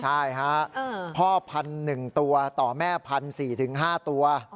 ใช่พ่อพันหนึ่งตัวต่อแม่พันสี่ถึงห้าตัว